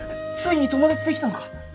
ついに友達できたのか？